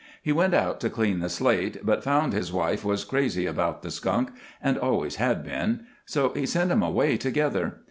He went out to clean the slate, but found his wife was crazy about the skunk and always had been, so he sent 'em away together.